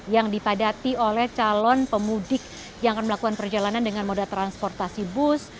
yang dipadati oleh calon pemudik yang akan melakukan perjalanan dengan moda transportasi bus